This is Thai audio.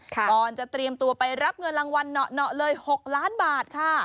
ก่อนจะเตรียมตัวไปรับเงินรางวัลเหนาะเลย๖ล้านบาทค่ะ